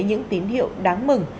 những tín hiệu đáng mừng